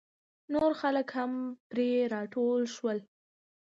نور خلک هم پرې راټول شول.